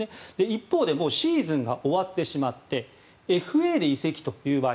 一方でシーズンが終わってしまってＦＡで移籍という場合。